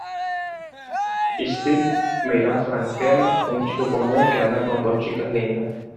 Steve mira a Frankel, un chico común que anda con dos chicas lindas.